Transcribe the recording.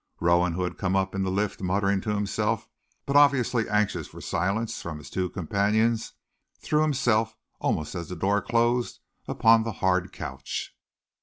Rowan, who had come up in the lift muttering to himself, but obviously anxious for silence from his two companions, threw himself, almost as the door closed, upon the hard couch.